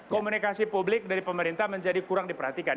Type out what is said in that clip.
komunikasi publik dari pemerintah menjadi kurang diperhatikan